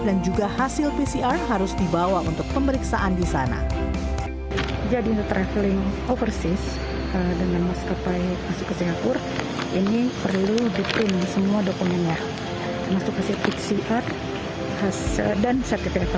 dan juga hasil pcr harus dibawa untuk pemeriksaan di sana jadi untuk traveling overseas dengan maskapai masuk ke singapura ini perlu diprimi semua dokumennya dan pemeriksaan yang telah dihasilkan di singapura